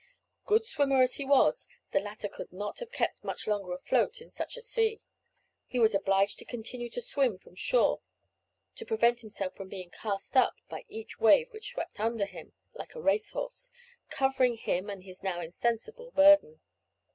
Good swimmer as he was, the latter could not have kept much longer afloat in such a sea; and was obliged to continue to swim from shore to prevent himself from being cast up by each wave which swept under him like a racehorse, covering him and his now insensible burden.